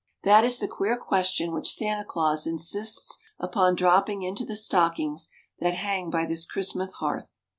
That is the queer question which Santa Claus insists upon dropping into the stockings that hang by this Christmas hearth.